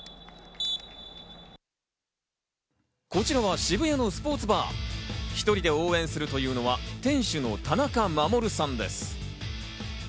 こちらは渋谷のスポーツバー、１人で応援するというのは、店主の田中守さんです。